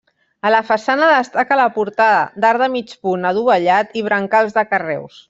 A la façana destaca la portada, d'arc de mig punt adovellat i brancals de carreus.